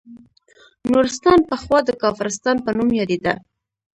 نورستان پخوا د کافرستان په نوم یادیده